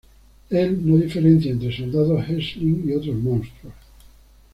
Él no diferencia entre soldados de Hellsing y otros monstruos.